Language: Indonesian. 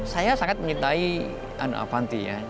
saya sangat mengintai ana avanti ya